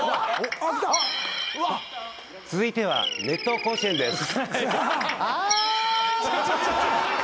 続いては『熱闘甲子園』です。